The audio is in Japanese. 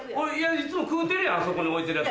いつも食うてるやんあそこに置いてるやつ。